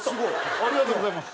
ありがとうございます。